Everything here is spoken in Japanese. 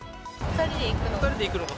２人で行くのが。